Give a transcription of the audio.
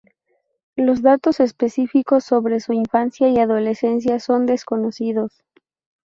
Los datos específicos sobre su infancia y adolescencia son desconocidos.